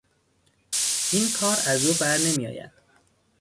این کار از او بر نمیآید.